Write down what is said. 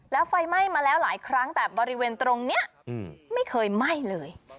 แล้วไฟไหม้มาแล้วหลายครั้งแต่บริเวณตรงนี้ไม่เคยไหม้เลย